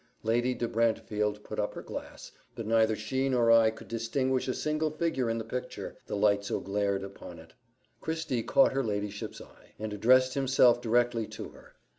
Lady de Brantefield put up her glass, but neither she nor I could distinguish a single figure in the picture, the light so glared upon it. Christie caught her ladyship's eye, and addressed himself directly to her.